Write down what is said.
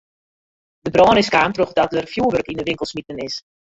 De brân is kaam trochdat der fjoerwurk yn de winkel smiten is.